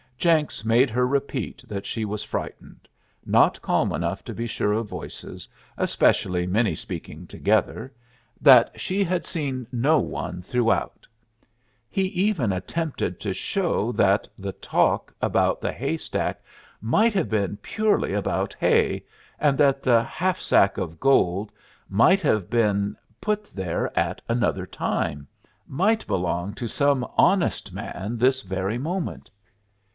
Jenks made her repeat that she was frightened; not calm enough to be sure of voices, especially many speaking together; that she had seen no one throughout. He even attempted to show that the talk about the hay stack might have been purely about hay, and that the half sack of gold might have been put there at another time might belong to some honest man this very moment.